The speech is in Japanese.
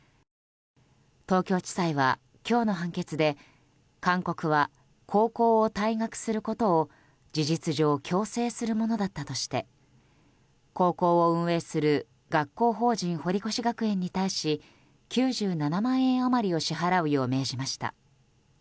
東京地裁は今日の判決で勧告は高校を退学することを事実上強制するものだったとして高校を運営する学校法人堀越学園に対し９７万円余りを支払うよう命じました。